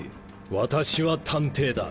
私は探偵だ。